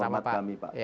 salam hormat kami pak